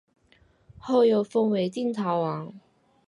后又封为定陶王。